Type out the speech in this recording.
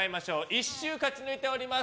１週勝ち抜いております